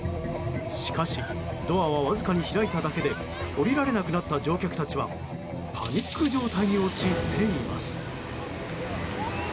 しかし、ドアはわずかに開いただけで降りられなくなった乗客たちはパニック状態に陥っています。